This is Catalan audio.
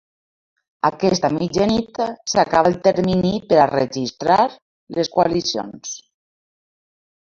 Aquesta mitjanit s’acaba el termini per a registrar les coalicions.